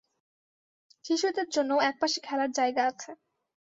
শিশুদের জন্যও এক পাশে খেলার জায়গা আছে।